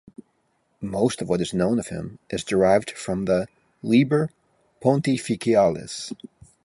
Most of what is known of him is derived from the "Liber Pontificalis".